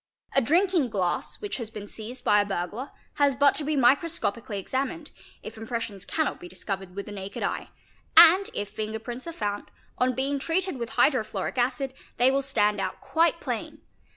A drinking glass which has been seized by a burglar has but to be microscopically examined, if impressions cannot be discovered with the naked eye, and if finger prints are found, on being treated with hydrofluoric acid, they will stand out quite plain.